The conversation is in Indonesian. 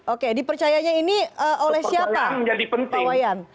oke dipercayanya ini oleh siapa pak wayan